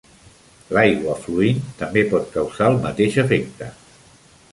L'aigua fluint també pot causar el mateix efecte.